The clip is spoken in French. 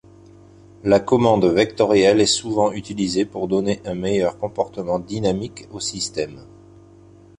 La commande vectorielle est souvent utilisée pour donner un meilleur comportement dynamique au système.